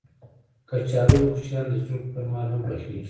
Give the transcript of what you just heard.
کچالو د کوچنیانو د زوکړې پر مهال هم پخېږي